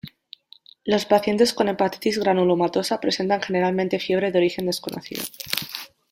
Los pacientes con hepatitis granulomatosa presentan generalmente fiebre de origen desconocido.